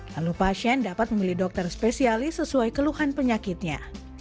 lalu pasien dapat memilih dokter spesialis sesuai keluhan penyakitnya